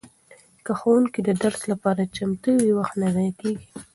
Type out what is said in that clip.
که ښوونکی د درس لپاره چمتو وي وخت نه ضایع کیږي.